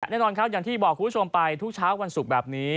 แน่นอนครับอย่างที่บอกคุณผู้ชมไปทุกเช้าวันศุกร์แบบนี้